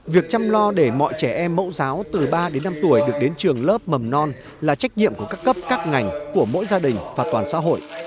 việc chăm lo để mọi trẻ em mẫu giáo từ ba đến năm tuổi được đến trường lớp mầm non là trách nhiệm của các cấp các ngành của mỗi gia đình và toàn xã hội